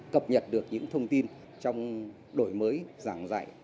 cập nhật được những thông tin trong đổi mới giảng dạy